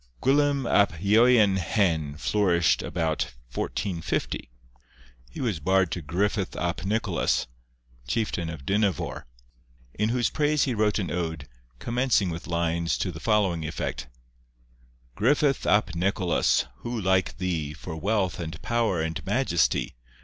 Gwilym ap Ieuan Hen flourished about 1450. He was bard to Griffith ap Nicholas, chieftain of Dinefor, in whose praise he wrote an ode, commencing with lines to the following effect:— 'Griffith ap Nicholas! who like thee For wealth and power and majesty?